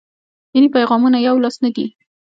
دیني پیغامونه یولاس نه دي.